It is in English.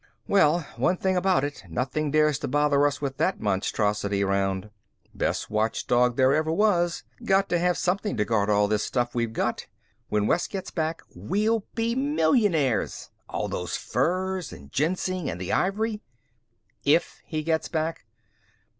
"Well, one thing about it, nothing dares to bother us with that monstrosity around." "Best watchdog there ever was. Got to have something to guard all this stuff we've got. When Wes gets back, we'll be millionaires. All those furs and ginseng and the ivory." "If he gets back."